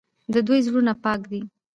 د دوی زړونه پاک دي.